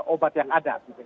obat yang ada